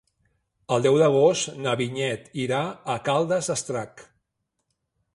El deu d'agost na Vinyet irà a Caldes d'Estrac.